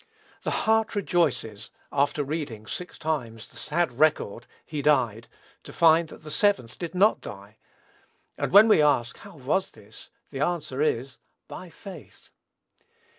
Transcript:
The heart rejoices, after reading, six times, the sad record, "he died," to find, that the seventh did not die; and when we ask, How was this? the answer is, "by faith."